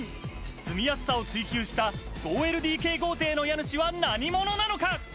住みやすさを追求した５ＬＤＫ豪邸の家主は何者なのか？